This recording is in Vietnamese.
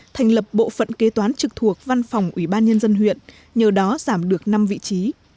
thành lập bộ phận kế toán trực thuộc văn phòng ủy ban nhân dân huyện nhờ đó giảm được năm vị trí